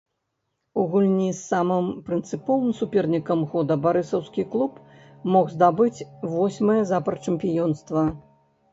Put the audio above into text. У гульні з самым прынцыповым супернікам года барысаўскі клуб мог здабыць восьмае запар чэмпіёнства.